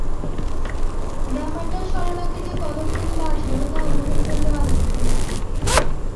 ব্যাপারটা সরলাকে যে কতখানি বাজল তা অনুভব করলে আদিত্য।